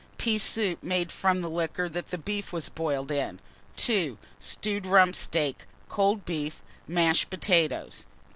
Pea soup made from liquor that beef was boiled in. 2. Stewed rump steak, cold beef, mashed potatoes.